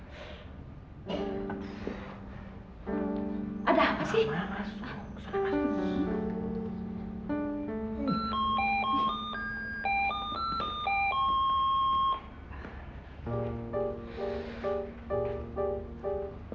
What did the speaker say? ini biar aku yang buka